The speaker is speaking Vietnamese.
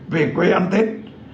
về quê ăn tết